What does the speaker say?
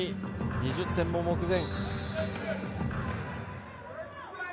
２０点も目前。